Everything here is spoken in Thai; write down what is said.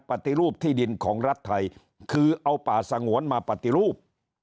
ปฏิรูปที่ดินของรัฐไทยคือเอาป่าสงวนมาปฏิรูป